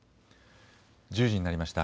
１０時になりました。